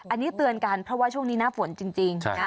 อันนี้เตือนกันเพราะว่าช่วงนี้หน้าฝนจริงนะ